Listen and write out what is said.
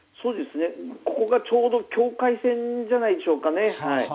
ここがちょうど境界線じゃないでしょうかね。